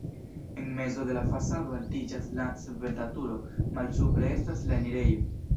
En mezo de la fasado altiĝas la svelta turo, malsupre estas la enirejo.